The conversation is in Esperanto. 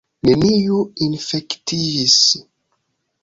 Neniu infektiĝis!